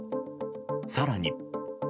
更に。